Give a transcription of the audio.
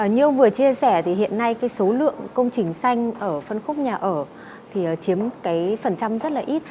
như ông vừa chia sẻ thì hiện nay cái số lượng công trình xanh ở phân khúc nhà ở thì chiếm cái phần trăm rất là ít